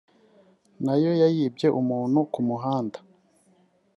nayo nayibye umuntu ku muhanda